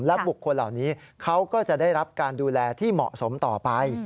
บุคคลเหล่านี้เขาก็จะได้รับการดูแลที่เหมาะสมต่อไป